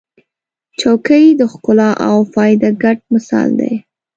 چوکۍ د ښکلا او فایده ګډ مثال دی.